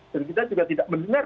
dan kita juga tidak mendengar